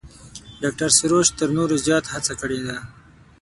ډاکتر سروش تر نورو زیات هڅه کړې ده.